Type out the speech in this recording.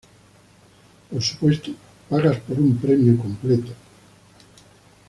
Por supuesto, pagas por un premio completo.